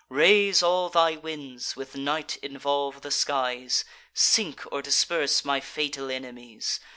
Raise all thy winds; with night involve the skies; Sink or disperse my fatal enemies.